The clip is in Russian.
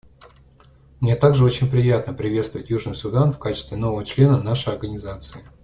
Мне также очень приятно приветствовать Южный Судан в качестве нового члена нашей Организации.